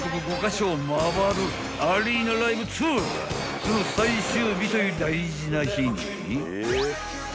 ［その最終日という大事な日に］